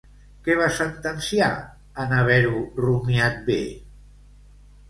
Què va sentenciar, en haver-ho rumiat bé?